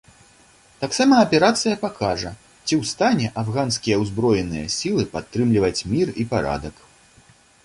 Таксама аперацыя пакажа ці ў стане афганскія ўзброеныя сілы падтрымліваць мір і парадак.